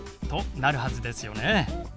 となるはずですよね。